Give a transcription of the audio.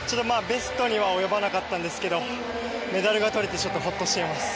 ベストには及ばなかったんですけどメダルがとれてほっとしています。